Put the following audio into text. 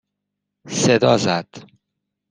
صدا زد